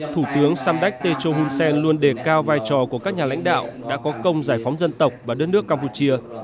thủ tướng samdak techo hun sen luôn đề cao vai trò của các nhà lãnh đạo đã có công giải phóng dân tộc và đất nước campuchia